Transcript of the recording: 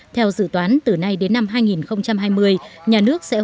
theo dự toán từ nay đến năm hai nghìn hai mươi